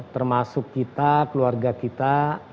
termasuk kita keluarga kita